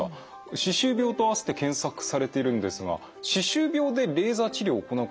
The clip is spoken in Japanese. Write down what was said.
歯周病と併せて検索されてるんですが歯周病でレーザー治療を行うことはあるんでしょうか？